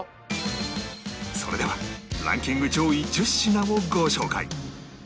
それではランキング上位１０品をご紹介